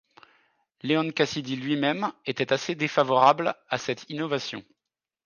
Leon Cassidy lui-même était assez défavorable à cette innovation.